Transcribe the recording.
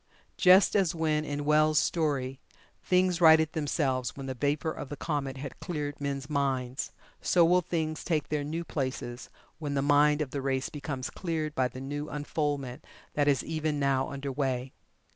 Just as when, in Well's story, things righted themselves when the vapor of the comet had cleared men's minds, so will Things take their new places when the mind of the race becomes cleared by the new unfoldment that is even now under way.